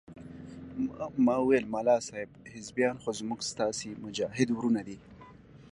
ما وويل ملا صاحب حزبيان خو زموږ ستاسې مجاهد ورونه دي.